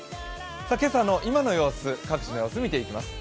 今朝の今の各地の様子、見ていきます。